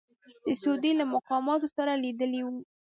د سعودي له مقاماتو سره یې لیدلي وو.